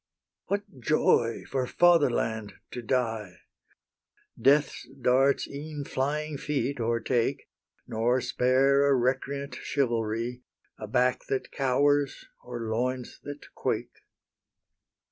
What joy, for fatherland to die! Death's darts e'en flying feet o'ertake, Nor spare a recreant chivalry, A back that cowers, or loins that quake.